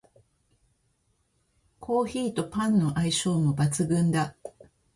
コーヒーとパンの相性も抜群だ